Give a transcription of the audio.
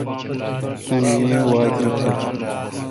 تان ای واک می تھ۔